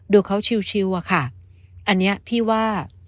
ดูเขาชิวอะค่ะอันนี้พี่ว่า